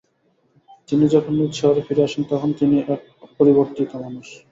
তিনি যখন নিজ শহরে ফিরে আসেন, তখন তিনি এক পরিবর্তিত মানুষ।